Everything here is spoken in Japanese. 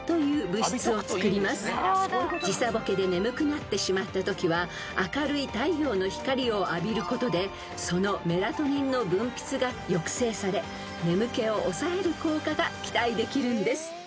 ［時差ボケで眠くなってしまったときは明るい太陽の光を浴びることでそのメラトニンの分泌が抑制され眠気を抑える効果が期待できるんです］